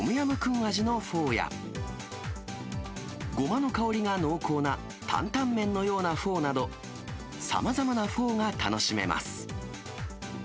味のフォーや、ごまの香りが濃厚な担々麺のようなフォーなど、さまざまなフォーが楽しめます。